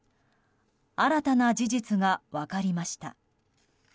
新たな事実が分かりました。